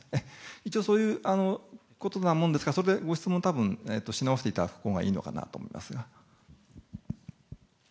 一応そういうことなものですから、御質問をし直していただく方がいいかなと思います。